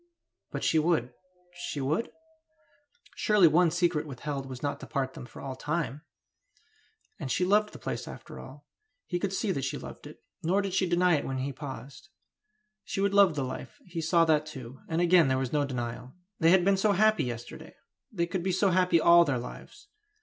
But she would she would? Surely one secret withheld was not to part them for all time! And she loved the place after all, he could see that she loved it, nor did she deny it when he paused; she would love the life, he saw that too, and again there was no denial. They had been so happy yesterday! They could be so happy all their lives!